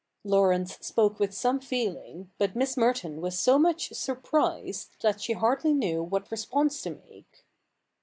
Laurence spoke with some feeling, but Miss Merton was so much surprised that she hardly knew what response to make.